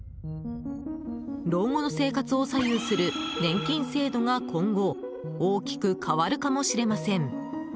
老後の生活を左右する年金制度が今後大きく変わるかもしれません。